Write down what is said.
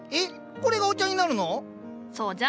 これがお茶になるの⁉そうじゃ。